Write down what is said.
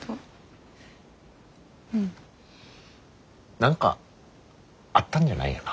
何かあったんじゃないよな？